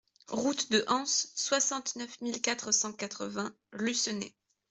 Route de Anse, soixante-neuf mille quatre cent quatre-vingts Lucenay